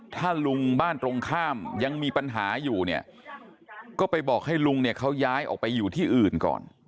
ถ้าลุงบ้านตรงข้ามยังมีปัญหาอยู่เนี่ยก็ไปบอกให้ลุงเนี่ยเขาย้ายออกไปอยู่ที่อื่นก่อน